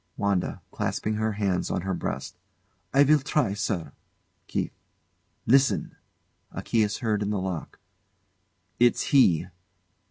WANDA. [Clasping her hands on her breast] I will try, sir. KEITH. Listen! [A key is heard in the lock.] It's he!